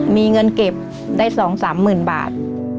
มีเงินเก็บได้๒๓หมื่นบาท